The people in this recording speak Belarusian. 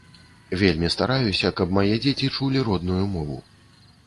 Вельмі стараюся, каб мае дзеці чулі родную мову.